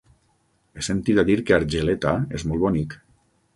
He sentit a dir que Argeleta és molt bonic.